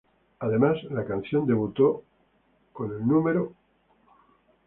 Por otra parte, la canción debutó en el No.